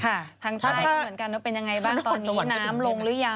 ทางใต้ก็เหมือนกันว่าเป็นยังไงบ้างตอนนี้น้ำลงหรือยัง